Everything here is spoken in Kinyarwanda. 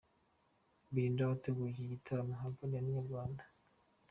Belinda wateguye iki gitaramo aganira na Inyarwanda.